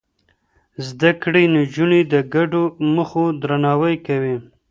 زده کړې نجونې د ګډو موخو درناوی کوي.